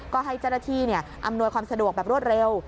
ก็ให้เจ้าหน้าที่อำนวยความสะดวกแบบรวดเร็ว